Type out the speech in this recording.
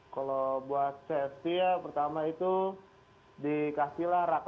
kalau buat safety ya pertama itu dikasihlah raksa